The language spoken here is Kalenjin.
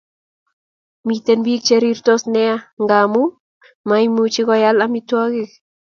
Miten pik che rirtos nea ngamu maimuche koyal amitwakik